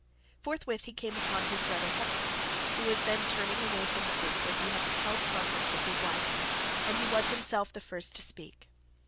Forthwith he came upon his brother Hector, who was then turning away from the place where he had held converse with his wife, and he was himself the first to speak.